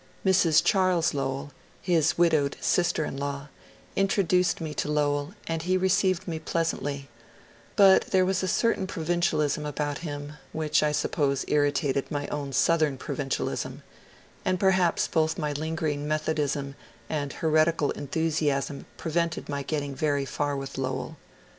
Mrs. Charles Lowell, his vridowed sister in law, introduced me to Lowell, and he received me pleasantly ; but there was a certain provincialism about him which I suppose irritated my own Southern provincialism ; and perhaps both my linger ing Methodism and heretical enthusiasm prevented my get ting very far with Lowell.